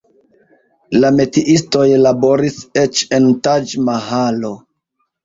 La metiistoj laboris eĉ en Taĝ-Mahalo.